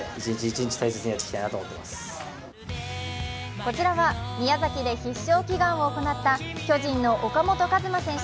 こちらは宮崎で必勝祈願を行った巨人の岡本和真選手。